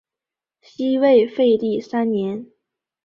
西魏废帝三年。